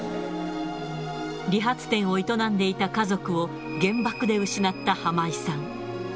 理髪店を営んでいた家族を原爆で失った浜井さん。